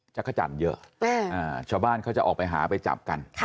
จักรจันทร์เยอะชาวบ้านเขาจะออกไปหาไปจับกัน